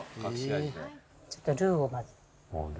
ちょっとルーをまず。